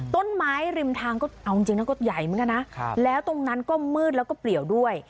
ต้นไม้ริมทางก็เอาจริงนะก็ใหญ่เหมือนกันนะแล้วตรงนั้นก็มืดแล้วก็เปลี่ยวด้วย